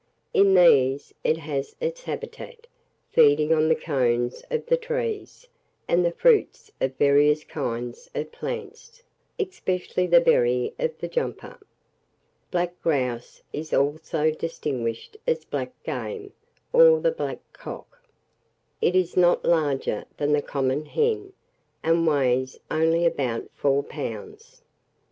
In these it has its habitat, feeding on the cones of the trees, and the fruits of various kinds of plants, especially the berry of the jumper. Black grouse is also distinguished as black game, or the black cock. It is not larger than the common hen, and weighs only about four pounds.